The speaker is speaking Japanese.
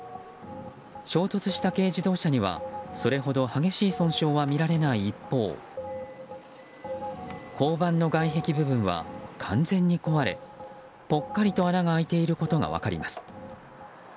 衝突した軽自動車にはそれほど激しい損傷は見られない一方交番の外壁部分は完全に壊れぽっかりと穴が開いていることが分かります。